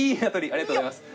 ありがとうございます。